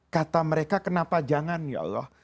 kata mereka kenapa jangan ya allah